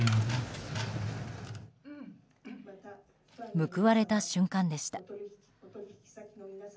報われた瞬間でした。